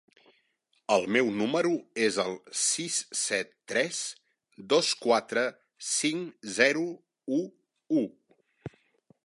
El meu número és el sis set tres dos quatre cinc zero u u.